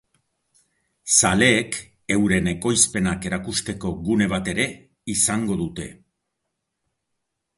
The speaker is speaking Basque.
Zaleek euren ekoizpenak erakusteko gune bat ere izango dute.